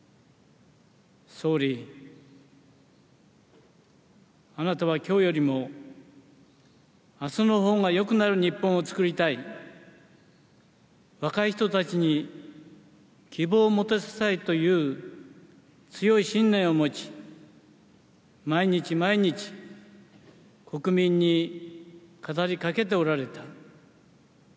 総理、あなたはきょうよりも、あすのほうがよくなる日本をつくりたい、若い人たちに希望を持たせたいという強い信念を持ち、毎日毎日国民に語りかけておられた。